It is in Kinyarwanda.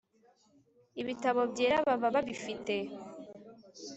ibitabo byera baba babifite